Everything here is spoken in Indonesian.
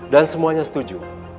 dan semuanya setuju